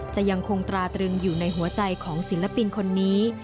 จะยังคงตราตรึงอยู่ในหัวใจของศิลปินคนนี้